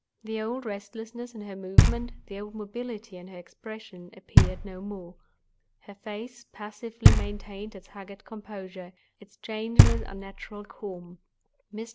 The old restlessness in her movements, the old mobility in her expression, appeared no more. Her face passively maintained its haggard composure, its changeless unnatural calm. Mr.